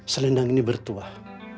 selendang ini bertuah